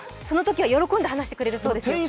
そのときは喜んで話してくれるそうです。